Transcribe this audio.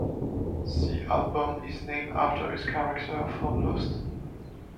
The album is named after his character from "Lost".